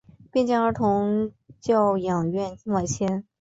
并将儿童教养院外迁。